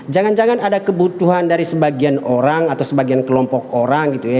jangan jangan ada kebutuhan dari sebagian orang atau sebagian kelompok orang gitu ya